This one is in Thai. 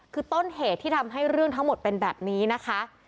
คือต้นเหตุที่ทำให้เรื่องทั้งหมดเป็นแบบนี้นะคะ